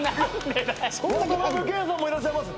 渡辺謙さんもいらっしゃいます！